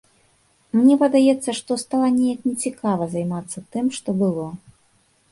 Мне падаецца, што стала неяк не цікава займацца тым, што было.